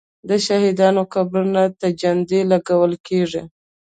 د شهیدانو قبرونو ته جنډې لګول کیږي.